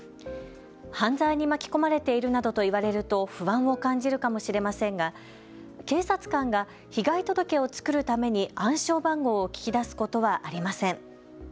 犯罪に巻き込まれているなどと言われると不安を感じるかもしれませんが、警察官が被害届を作るために暗証番号を聞き出すことはありません。